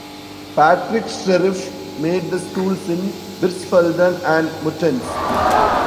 Patrick Streiff made the schools in Birsfelden and Muttenz.